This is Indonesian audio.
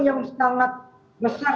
yang sangat besar